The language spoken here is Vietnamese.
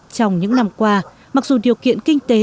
trong những năm qua mặc dù điều kiện kinh tế